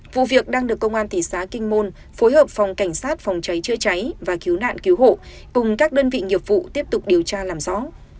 vụ việc đang được công an thị xã kinh môn phối hợp phòng cảnh sát phòng cháy chữa cháy và cứu nạn cứu hộ cùng các đơn vị nghiệp vụ tiếp tục điều tra làm rõ